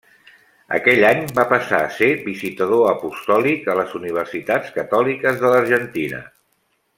Aquell any va passar a ser Visitador Apostòlic a les universitats catòliques de l'Argentina.